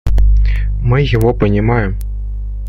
Мы его понимаем.